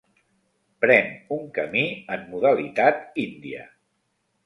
Pren un camí en modalitat índia.